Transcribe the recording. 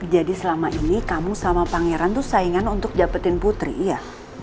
selama ini kamu sama pangeran tuh saingan untuk dapetin putri iya